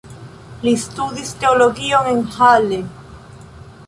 Li studis teologion en Halle.